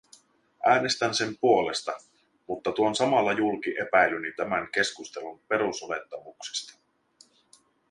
Äänestän sen puolesta, mutta tuon samalla julki epäilyni tämän keskustelun perusolettamuksista.